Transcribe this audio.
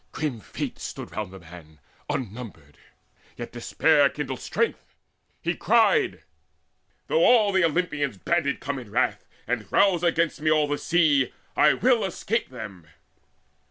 Grim Fates stood round the man Unnumbered; yet despair still kindled strength. He cried: "Though all the Olympians banded come In wrath, and rouse against me all the sea, I will escape them!"